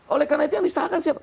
oleh karena itu yang disalahkan siapa